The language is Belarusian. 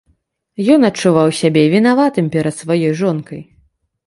Ён адчуваў сябе вінаватым перад сваёй жонкай.